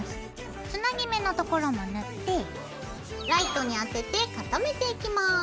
つなぎ目の所も塗ってライトに当てて固めていきます。